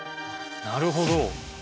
なるほど。